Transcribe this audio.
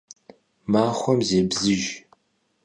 Maxuem zêbzıjj.